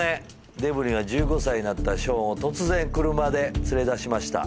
デブリンは１５歳になったショーンを突然車で連れ出しました。